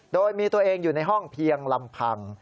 โดยมีตัวเองอยู่ในห้องเพียงลำพัง